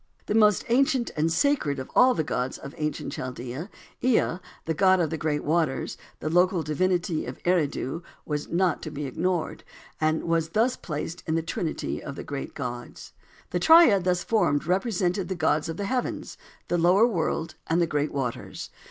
The most ancient and sacred of all the gods of ancient Chaldea, Ea, the god of the great waters, the local divinity of Eridu, was not to be ignored, and was thus placed in the trinity of great gods. The triad thus formed represented the gods of the heavens, the lower world, and the great waters.